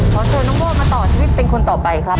ขอเชิญน้องโมดมาต่อชีวิตเป็นคนต่อไปครับ